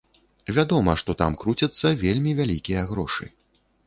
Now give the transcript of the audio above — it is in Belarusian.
Вядома, што там круцяцца вельмі вялікія грошы.